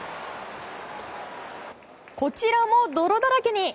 こちらも泥だらけに！